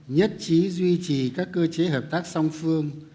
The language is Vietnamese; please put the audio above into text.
nhất trí duy trì các cơ chế hợp tác song phương